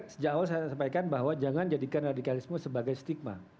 sejak awal saya sampaikan bahwa jangan jadikan radikalisme sebagai stigma